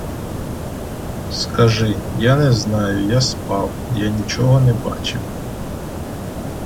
Скажи: я не знаю, я спав, я нічого не бачив.